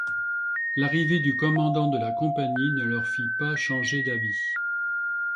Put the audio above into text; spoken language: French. L’arrivée du commandant de la Compagnie ne leur fit pas changer d’avis.